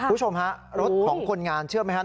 อุ้ยรถของคนงานเชื่อไหมครับ